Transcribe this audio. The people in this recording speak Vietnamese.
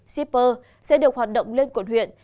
sipr sẽ được hoạt động lên quận huyện